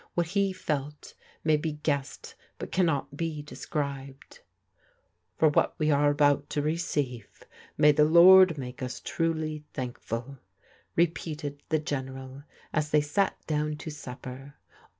What he felt may be guessed but camiot be describecL " For what we arc about to receive, may the Lord make us truly thankful/' repeated the General, as they sat down to supper.